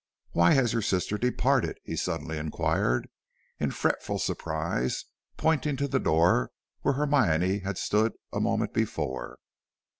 Why has your sister departed?" he suddenly inquired, in fretful surprise, pointing to the door where Hermione had stood a moment before.